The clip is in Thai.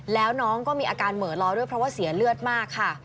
แล้วน้องก็มีอาการเหมือนล้อด้วยเพราะว่าเสียเลือดมากค่ะ